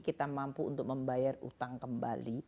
kita mampu untuk membayar utang kembali